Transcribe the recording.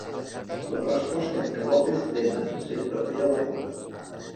La resposta que López Tena sempre té a la boca.